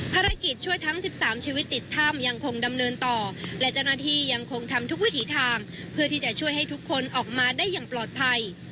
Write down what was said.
ภารกิจช่วยทั้ง๑๓ชีวิตติดถ้ำยังคงดำเนินต่อและเจ้าหน้าที่ยังคงทำทุกวิถีทางเพื่อที่จะช่วยให้ทุกคนออกมาได้อย่างปลอดภัย